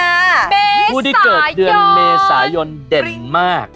ผู้ที่เกิดเดือนเมษายนเด่นมาก